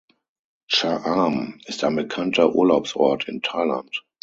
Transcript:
Cha-am ist ein bekannter Urlaubsort in Thailand.